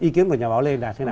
ý kiến của nhà báo lê là thế nào